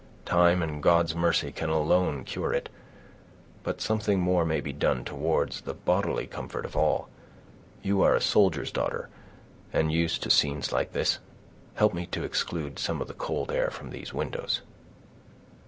"Time and God's mercy can alone cure it, but something more may be done towards the bodily comfort of all. You are a soldier's daughter, and used to scenes like this; help me to exclude some of the cold air from these windows."